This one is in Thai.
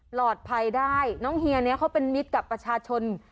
ปลอดภัยได้น้องเฮียเนี้ยเขาเป็นมิตรกับประชาชน